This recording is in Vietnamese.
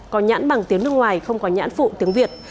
có nhãn bằng tiếng nước ngoài không có nhãn phụ tiếng việt